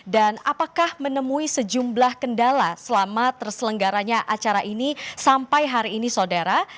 dan apakah menemui sejumlah kendala selama terselenggaranya acara ini sampai hari ini saudara